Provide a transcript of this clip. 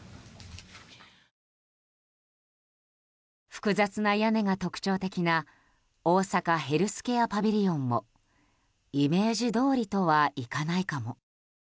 複雑な屋根が特徴的な大阪ヘルスケアパビリオンもイメージどおりとはいかないかも。